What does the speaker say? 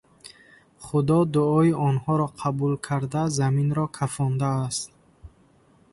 Худо дуои онҳоро қабул карда заминро кафондааст.